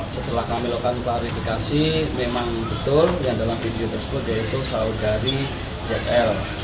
setelah kami lakukan klarifikasi memang betul yang dalam video tersebut yaitu saudari zl